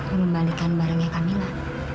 mengembalikan barangnya kamila